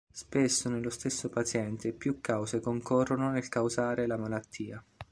Spesso nello stesso paziente più cause concorrono nel causare la malattia.